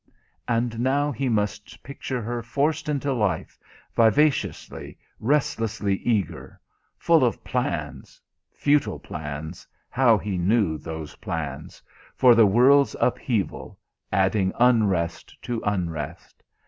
And now he must picture her forced into life, vivaciously, restlessly eager; full of plans, (futile plans, how he knew those plans!) for the world's upheaval, adding unrest to unrest.